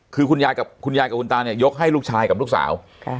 คือคุณยายกับคุณยายกับคุณตาเนี่ยยกให้ลูกชายกับลูกสาว